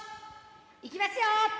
いきますよ。